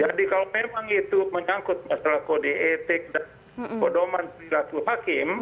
jadi kalau memang itu menyangkut masalah kode etik dan bodoman perilaku hakim